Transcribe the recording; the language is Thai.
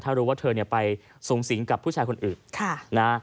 ถ้ารู้ว่าเธอไปสูงสิงกับผู้ชายคนอื่นนะ